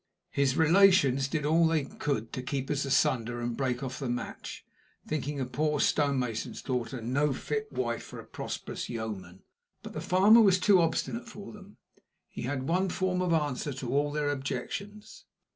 His relations did all they could to keep us asunder and break off the match, thinking a poor stonemason's daughter no fit wife for a prosperous yeoman. But the farmer was too obstinate for them. He had one form of answer to all their objections.